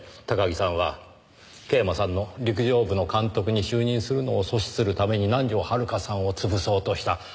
高木さんは桂馬さんの陸上部の監督に就任するのを阻止するために南条遥さんを潰そうとした。